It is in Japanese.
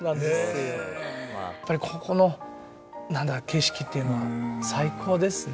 やっぱりここの景色っていうのは最高ですね。